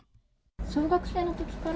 小学生のときから。